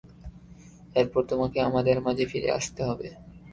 এরপর, তোমাকে আমাদের মাঝে ফিরে আসতে হবে।